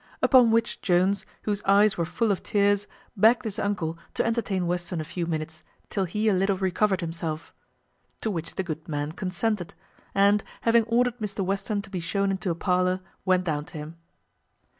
Upon which Jones, whose eyes were full of tears, begged his uncle to entertain Western a few minutes, till he a little recovered himself; to which the good man consented, and, having ordered Mr Western to be shewn into a parlour, went down to him.